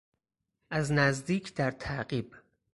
از نزدیک در تعقیب